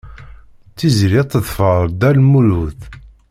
Tiziri ad teḍfer Dda Lmulud.